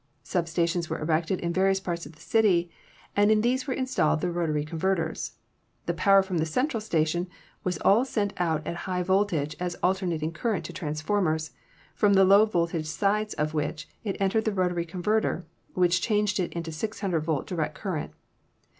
Sub stations were erected in various parts of the city, and in these were installed the rotary converters. The power from the central station was all sent out at high voltage as alternating current to transformers, from the low volt age sides of which it entered the rotary converter, which changed it into 600 volt direct current.